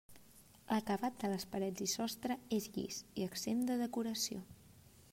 L'acabat de les parets i sostre és llis i exempt de decoració.